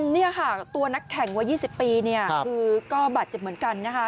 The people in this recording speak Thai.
นี่ค่ะตัวนักแข่งวัย๒๐ปีเนี่ยคือก็บาดเจ็บเหมือนกันนะคะ